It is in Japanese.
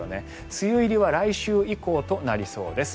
梅雨入りは来週以降となりそうです。